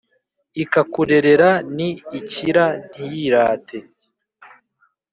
ikakurerera Ni ikira ntiyirate